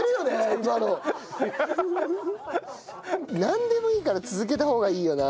なんでもいいから続けた方がいいよな。